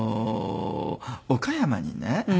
岡山にね